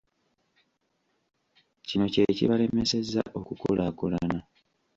Kino kye kibalemesezza okukulaakulana.